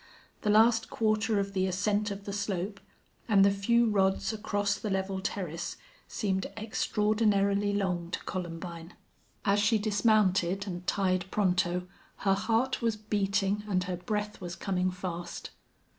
The last quarter of the ascent of the slope, and the few rods across the level terrace, seemed extraordinarily long to Columbine. As she dismounted and tied Pronto her heart was beating and her breath was coming fast.